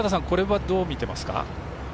これはどう見てますか？